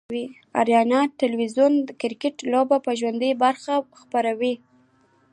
آریانا تلویزیون دکرکټ لوبې به ژوندۍ بڼه خپروي